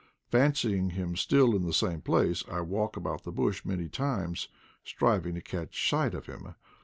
Fancying him still in the same place, I walk about the bush many times, striving to catch sight of him.